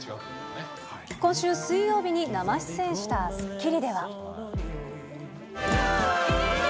今週水曜日に生出演したスッキリ！！